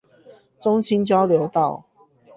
中清交流道